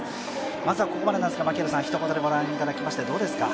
まずはここまでなんですが、ご覧いただきまして、どうですか。